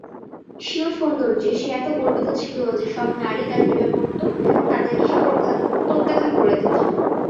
স্বীয় সৌন্দর্যে সে এত গর্বিত ছিল যে যে-সব নারী তার প্রেমে পড়ত তাদেরকে সে প্রত্যাখ্যান করে দিত।